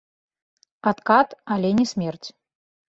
Адкат, але не смерць.